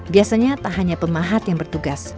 biasanya tak hanya pemahat yang bertugas